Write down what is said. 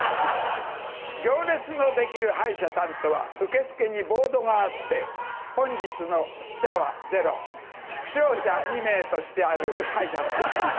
行列の出来る歯医者さんとは受付にボードがあって本日の死者はゼロ負傷者２名としてある歯医者さん。